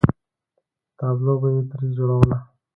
تابلو به یې ترې جوړوله.